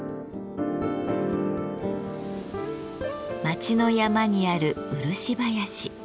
町の山にある漆林。